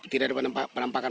tidak ada penampakan penampakan